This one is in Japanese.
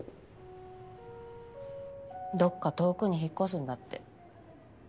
どっか遠くに引っ越すんだって。